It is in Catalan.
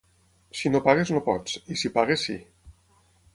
Si no pagues no pots, i si pagues sí.